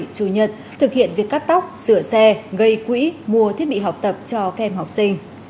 chủ nhật thực hiện việc cắt tóc sửa xe gây quỹ mua thiết bị học tập cho các em học sinh